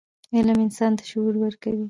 علم انسان ته شعور ورکوي.